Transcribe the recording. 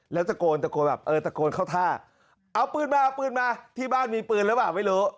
แล้วตะโกนเข้าท่าเอาปืนมาเอาปืนมาที่บ้านมีปืนหรือเปล่าไม่รู้